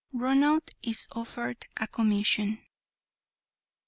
RONALD IS OFFERED A COMMISSION.